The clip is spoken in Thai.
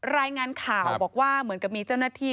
รายงานข่าวบอกว่าเหมือนกับมีเจ้าหน้าที่